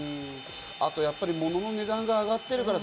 あとやっぱり物の値段が上がってるから。